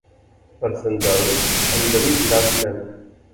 Per Sant Jordi en David irà al cinema.